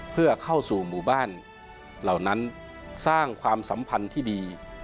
เพื่อเข้าสู่หมู่บ้านเหล่านั้นสร้างความสัมพันธ์ที่ดี